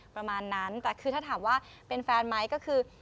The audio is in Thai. ประมาณนั้นแต่คือถ้าถามว่าเป็นแฟนไหมก็คือ